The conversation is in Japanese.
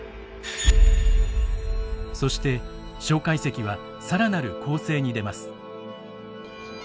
そして介石は更なる攻勢に出ます。